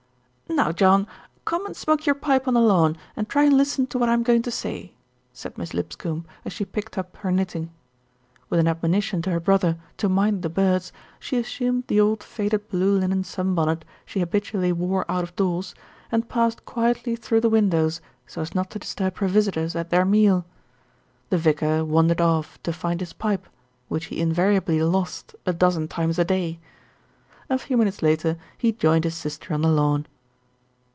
"Now, John, come and smoke your pipe on the lawn, and try and listen to what I am going to say," said Miss Lipscombe as she picked up her knitting. With an admonition to her brother to mind the birds, she assumed the old faded blue linen sun bonnet she habitually wore out of doors, and passed quietly through the windows so as not to disturb her visitors at their meal. The vicar wandered off to find his pipe, which he invariably lost a dozen times a day. A few minutes later he joined his sister on the lawn.